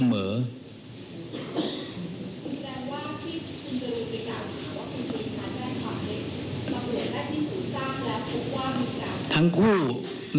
ทั้งคู่นะครับทั้งคู่คือหมายความว่าปรีเจ้า